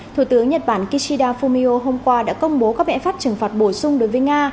thủ tướng nhật bản kishida fumio hôm qua đã công bố các biện pháp trừng phạt bổ sung đối với nga